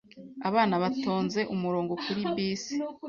Abana batonze umurongo kuri bisi.